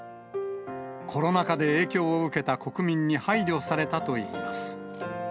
コロナ禍で影響を受けた国民に配慮されたといいます。